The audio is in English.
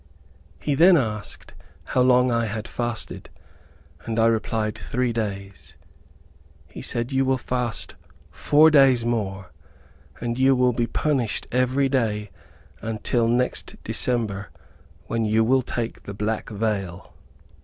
He then asked how long I had fasted, and I replied, "Three days." He said, "You will fast four days more, and you will be punished every day until next December, when you will take the black veil."